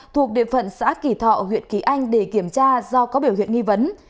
thuộc địa phận xã kỳ thọ huyện kỳ anh để kiểm tra do có biểu hiện nghi vấn